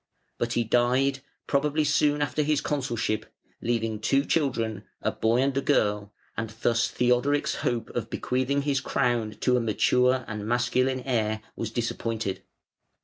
But he died, probably soon after his consulship, leaving two children a boy and a girl, and thus Theodoric's hope of bequeathing his crown to a mature and masculine heir was disappointed.